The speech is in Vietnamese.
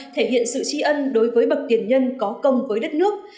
thể hiện sự tri ân đối với bậc tiền nhân có công với đất nước